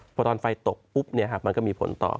เพราะตอนไฟตกปุ๊บเนี่ยมันก็มีผลต่อ